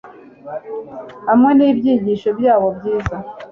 hamwe n'ibyigisho byabo byiza